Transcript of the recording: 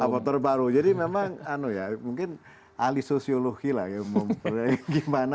motor baru jadi memang anu ya mungkin ahli sosiologi lah gimana